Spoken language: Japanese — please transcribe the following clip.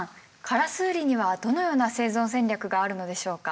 カラスウリにはどのような生存戦略があるのでしょうか？